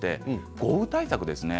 豪雨対策です。